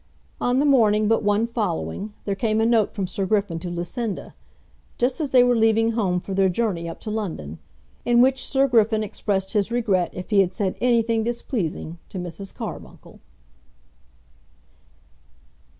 On the morning but one following, there came a note from Sir Griffin to Lucinda, just as they were leaving home for their journey up to London, in which Sir Griffin expressed his regret if he had said anything displeasing to Mrs. Carbuncle.